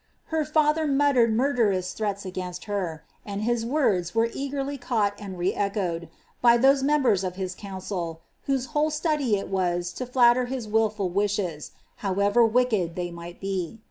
Her father mullered munlt^rous threats against her, and his words were eagerly caught and i« echoed, by those members of his council, whose whole study it was to flaucr his wilful wishes, however wicked they might be.